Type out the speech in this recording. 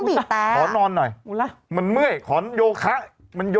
มีเสียงคุยของมัน